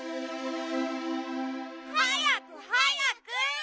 はやくはやく！